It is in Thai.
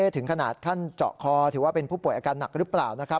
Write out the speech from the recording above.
ถึงขนาดขั้นเจาะคอถือว่าเป็นผู้ป่วยอาการหนักหรือเปล่านะครับ